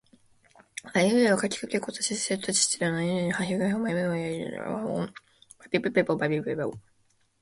あいうえおかきくけこさしすせそたちつてとなにぬねのはひふへほまみむめもやゆよらりるれろわおんぱぴぷぺぽばびぶべぼ